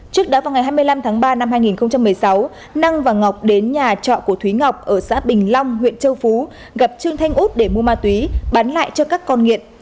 trước đó vào ngày hai mươi năm tháng ba năm hai nghìn một mươi sáu năng và ngọc đến nhà trọ của thúy ngọc ở xã bình long huyện châu phú gặp trương thanh út để mua ma túy bán lại cho các con nghiện